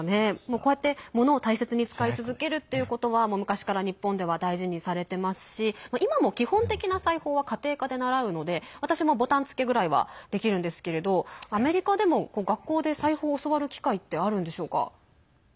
こうやって物を大切に使い続けるっていうことは昔から日本では大事にされてますし今も基本的な裁縫は家庭科で習うので私もボタン付けぐらいはできるんですけれどアメリカでも学校で裁縫を教わる機会ってあるんでしょうか？